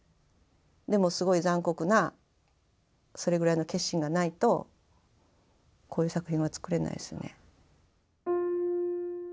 でもすごい残酷なそれぐらいの決心がないとこういう作品は作れないですね。